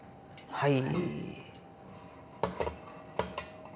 はい。